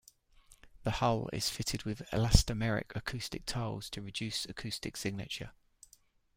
The hull is fitted with elastomeric acoustic tiles to reduce acoustic signature.